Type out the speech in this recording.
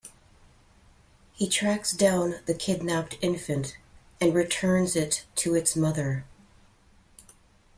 He tracks down the kidnapped infant and returns it to its mother.